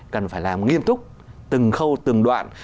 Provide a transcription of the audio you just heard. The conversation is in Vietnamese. cần phải làm nghiêm túc từng khâu từng đoạn